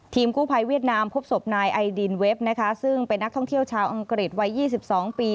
กู้ภัยเวียดนามพบศพนายไอดินเว็บนะคะซึ่งเป็นนักท่องเที่ยวชาวอังกฤษวัย๒๒ปี